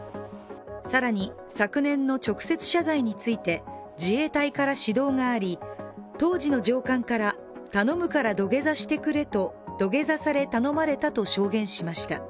更に、昨年の直接謝罪について自衛隊から指導があり当時の上官から、頼むから土下座してくれと土下座され、頼まれたと証言しました。